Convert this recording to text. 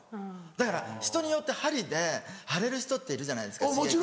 だから人によって針で腫れる人っているじゃないですか刺激で。